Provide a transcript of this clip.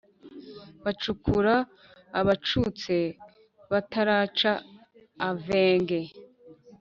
bacukura abacutse bataraca avenge,